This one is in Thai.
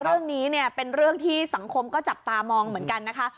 เรื่องนี้เนี่ยเป็นเรื่องที่สังคมก็จับตามองเหมือนกันนะคะ